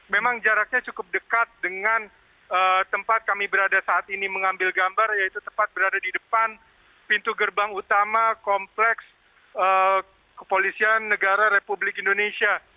memang jaraknya cukup dekat dengan tempat kami berada saat ini mengambil gambar yaitu tepat berada di depan pintu gerbang utama kompleks kepolisian negara republik indonesia